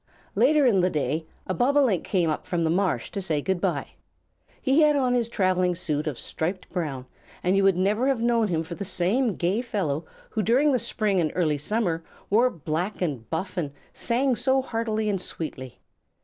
Later in the day, a Bobolink came up from the marsh to say good by. He had on his travelling suit of striped brown, and you would never have known him for the same gay fellow who during the spring and early summer wore black and buff and sang so heartily and sweetly.